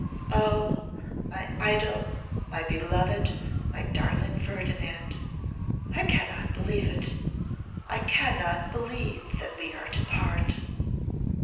Oh! my idol, my beloved, my darling Ferdinand, I cannot believe it; I cannot believe that we are to part.